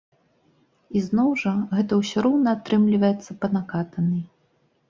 І зноў жа, гэта ўсё роўна атрымліваецца па накатанай.